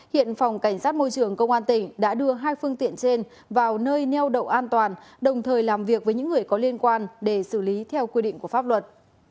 hiện phòng cảnh sát môi trường công an tỉnh đã đưa hai phương tiện trên vào nơi neo đậu an toàn đồng thời làm việc với những người có liên quan để xử lý theo quy định của pháp luật